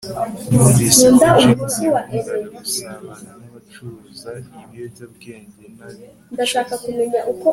numvise ko james yakundaga gusabana n'abacuruza ibiyobyabwenge n'abicanyi